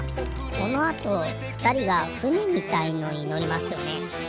このあとふたりがふねみたいのにのりますよね。